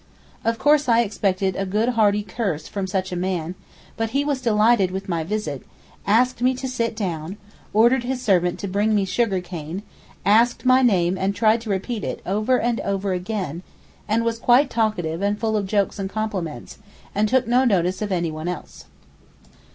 Of course I expected a good hearty curse from such a man, but he was delighted with my visit, asked me to sit down, ordered his servant to bring me sugar cane, asked my name and tried to repeat it over and over again, and was quite talkative and full of jokes and compliments, and took no notice of anyone else.